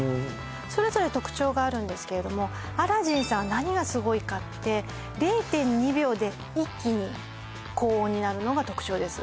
それぞれ特徴があるんですけれどもアラジンさんは何がすごいかって０．２秒で一気に高温になるのが特徴です